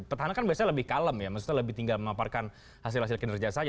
petahana kan biasanya lebih kalem ya maksudnya lebih tinggal memaparkan hasil hasil kinerja saja